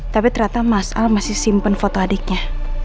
tapi ternyata mas al masih simpen foto adiknya